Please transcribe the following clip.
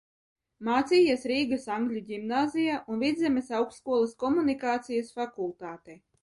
Mācījies Rīgas Angļu ģimnāzijā un Vidzemes Augstskolas komunikācijas fakultātē.